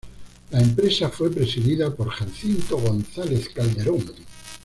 La empresa fue presidida por Jacinto González Calderón.